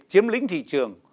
chiếm lĩnh thị trường